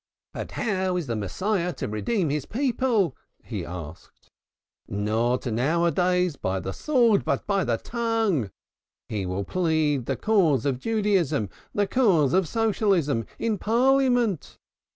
"But how is the Messiah to redeem his people?" he asked. "Not now a days by the sword but by the tongue. He will plead the cause of Judaism, the cause of Socialism, in Parliament.